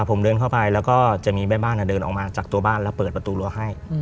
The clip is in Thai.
ผมเดินเข้าไปแล้วก็จะมีแม่บ้านเดินออกมาจากตัวบ้านแล้วเปิดประตูรั้วให้